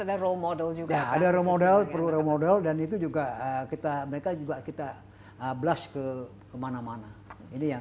ada model juga ada remodel perumodel dan itu juga kita mereka juga kita blush ke kemana mana ini yang